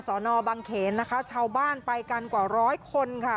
สอนอบังเขนนะคะชาวบ้านไปกันกว่าร้อยคนค่ะ